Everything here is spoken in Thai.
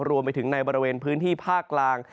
รวมไปถึงในบริเวณพื้นที่ภาคกลาง